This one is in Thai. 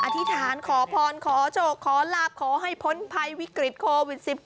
อธิษฐานขอพรขอโชคขอลาบขอให้พ้นภัยวิกฤตโควิด๑๙